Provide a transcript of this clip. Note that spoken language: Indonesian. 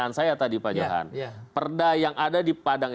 ada ada di dalam perdanya ada pak